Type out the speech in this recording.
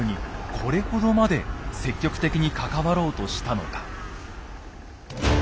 これほどまで積極的に関わろうとしたのか。